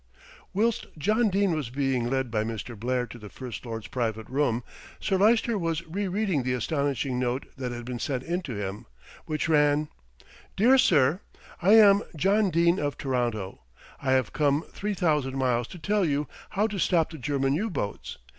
Whilst John Dene was being led by Mr. Blair to the First Lord's private room, Sir Lyster was re reading the astonishing note that had been sent in to him, which ran: "DEAR SIR, "I am John Dene of Toronto, I have come three thousand miles to tell you how to stop the German U boats.